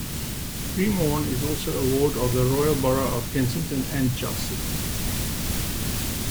Cremorne is also a ward of the Royal Borough of Kensington and Chelsea.